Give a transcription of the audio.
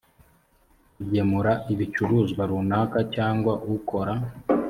k ugemura ibicuruzwa runaka cyangwa ukora